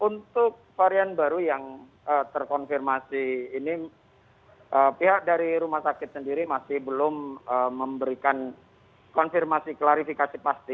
untuk varian baru yang terkonfirmasi ini pihak dari rumah sakit sendiri masih belum memberikan konfirmasi klarifikasi pasti